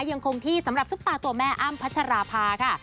ยังคงที่สำหรับซุปตาตัวแม่อ้ำพัชราภาค่ะ